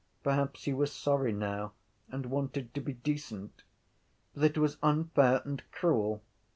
Perhaps he was sorry now and wanted to be decent. But it was unfair and cruel.